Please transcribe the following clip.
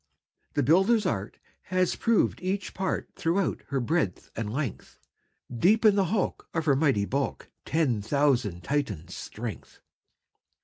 "The builder's art Has proved each part Throughout her breadth and length; Deep in the hulk, Of her mighty bulk, Ten thousand Titans' strength."